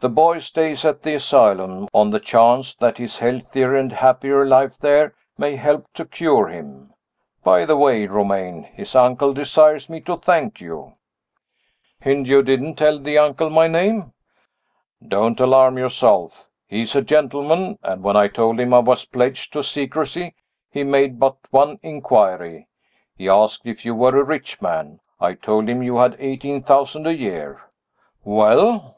The boy stays at the asylum, on the chance that his healthier and happier life there may help to cure him. By the way, Romayne, his uncle desires me to thank you " "Hynd! you didn't tell the uncle my name?" "Don't alarm yourself. He is a gentleman, and when I told him I was pledged to secrecy, he made but one inquiry he asked if you were a rich man. I told him you had eighteen thousand a year." "Well?"